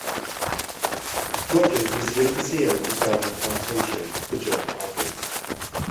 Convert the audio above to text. Rogers was the overseer of the Belmont Plantation for John Harvie.